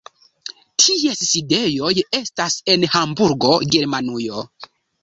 Ties sidejoj estas en Hamburgo, Germanujo.